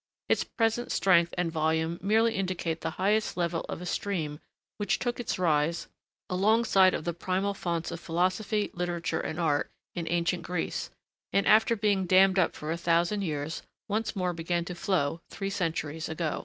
Its present strength and volume merely indicate the highest level of a stream which took its rise, alongside of the primal founts of Philosophy, Literature, and Art, in ancient Greece; and, after being dammed up for a thousand years, once more began to flow three centuries ago.